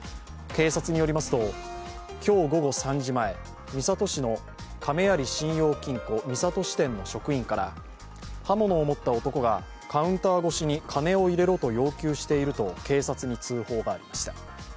警察によりますと、今日午後３時前、三郷市の亀有信用金庫美郷支店の職員から刃物を持った男がカウンター越しに金を入れろと要求していると警察に通報がありました。